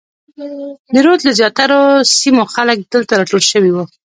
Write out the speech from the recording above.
د رود له زیاترو سیمو خلک دلته راټول شوي وو.